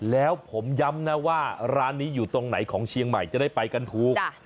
แล้วผมย้ำนะว่าร้านนี้อยู่ตรงไหนของเชียงใหม่จะได้ไปกันถูก